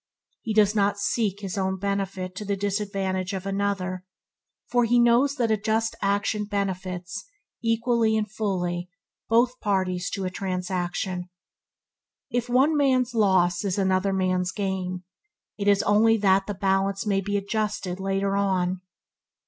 He does not seek his own benefit to the disadvantage of another, for he knows that a just action benefits, equally and fully, both parties to a transaction. If "one man's loss is another man's gain," it is only that the balance may be adjusted later on.